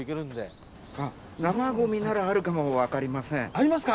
ありますか！？